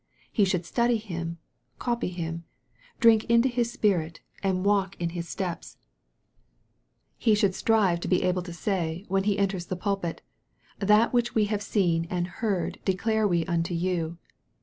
He should study Him, copy Him, drink into His Spirit, and walk in His steps. MARK, CHAP. ID. 51 He should strive to be able to say, when he enters the pulpit, " that which we have seen and heard declare we unto you."